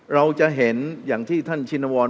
เราจะเห็นอย่างที่ท่านชินวร